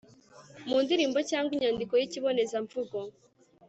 mu ndirimbo cyangwa inyandiko yikibonezamvugo